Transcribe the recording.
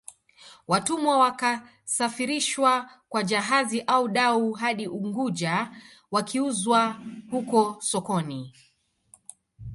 Watumwa wakasafirishwa kwa jahazi au dau hadi Unguja wakiuzwa huko sokoni